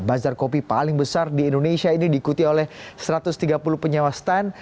bazar kopi paling besar di indonesia ini diikuti oleh satu ratus tiga puluh penyewa stand